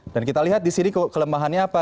dan kita lihat di sini kelemahannya apa